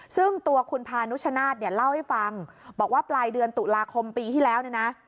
ซึ่งตัวคุณพานุชนาธิ์เนี่ยเล่าให้ฟังบอกว่าปลายเดือนตุลาคมปีที่แล้วเนี่ยนะ